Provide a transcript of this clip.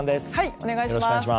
お願いします。